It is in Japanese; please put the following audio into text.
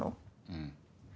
うん。